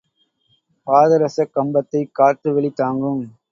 பாதரசக் கம்பத்தைக் காற்று வெளி தாங்கும்.